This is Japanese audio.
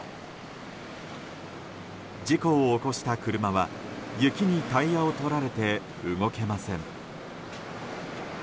事故を起こした車は雪にタイヤをとられて動けません。